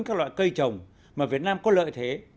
các loại cây trồng mà việt nam có lợi thế